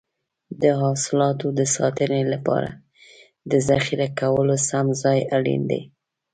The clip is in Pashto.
د حاصلاتو د ساتنې لپاره د ذخیره کولو سم ځای اړین دی.